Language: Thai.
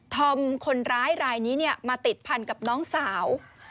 ธอมคนร้ายรายนี้มาติดพันกับน้องสาว